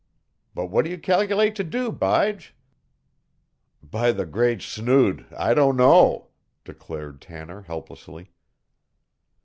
But what do you cal'late to do, Bige?" "By the Great Snood, I don't know!" declared Tanner helplessly.